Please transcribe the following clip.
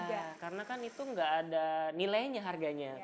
iya karena kan itu nggak ada nilainya harganya